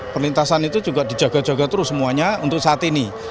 perlintasan itu juga dijaga jaga terus semuanya untuk saat ini